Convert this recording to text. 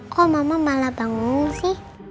kok mama malah bangun sih